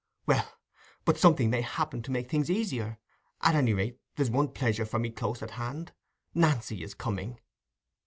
"Well, but something may happen to make things easier. At any rate, there's one pleasure for me close at hand: Nancy is coming."